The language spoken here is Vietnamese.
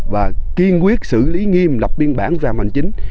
và kiên quyết xử lý nghiêm lập biên bản và mạnh chính